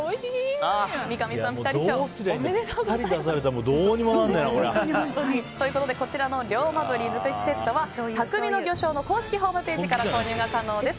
三上さん、ピタリ賞ピタリ出されたらということで、こちらの龍馬鰤尽くしセットは匠の魚商の公式ホームページから購入が可能です。